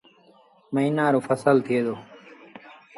ميݩهآن رو ڦسل ٿئي دو۔